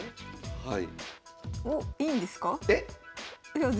はい。